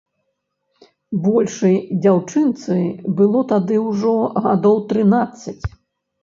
Большай дзяўчынцы было тады ўжо гадоў трынаццаць.